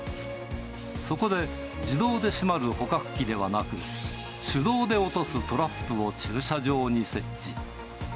そこで、自動で閉まる捕獲器ではなく、手動で落とすトラップを駐車場に設置。